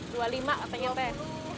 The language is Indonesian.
rp dua puluh lima an katanya teh